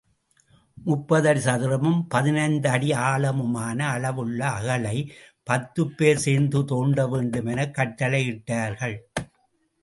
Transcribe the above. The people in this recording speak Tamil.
முப்பதடி சதுரமும், பதினைந்து அடி ஆழமுமான அளவுள்ள அகழைப் பத்துப் பேர் சேர்ந்து, தோண்ட வேண்டும் எனக் கட்டளையிட்டார்கள்.